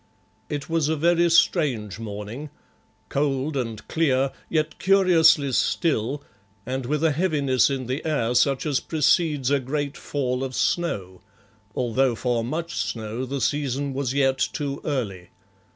It was a very strange morning cold and clear, yet curiously still, and with a heaviness in the air such as precedes a great fall of snow, although for much snow the season was yet too early.